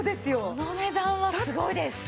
この値段はすごいです。